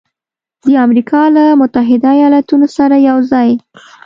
د امریکا له متحده ایالاتو سره یوځای